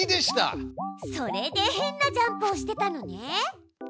それで変なジャンプをしてたのね。